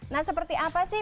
nah seperti apa sih